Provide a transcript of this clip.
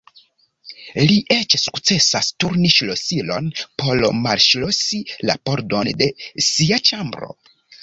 Li eĉ sukcesas turni ŝlosilon por malŝlosi la pordon de sia ĉambro.